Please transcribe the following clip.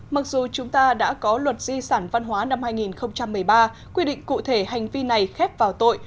mặc dù chúng ta đã có luật di sản văn hóa năm hai nghìn một mươi ba quy định cụ thể hành vi này khép vào tội